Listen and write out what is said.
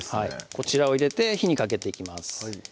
こちらを入れて火にかけていきます